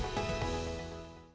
kita harus memiliki kekuatan